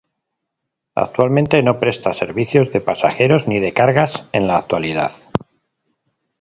Actualmente, no presta servicios de pasajeros ni de cargas en la actualidad.